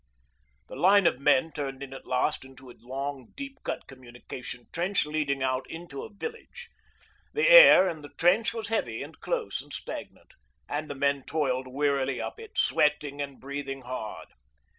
The line of men turned at last into a long deep cut communication trench leading out into a village. The air in the trench was heavy and close and stagnant, and the men toiled wearily up it, sweating and breathing hard.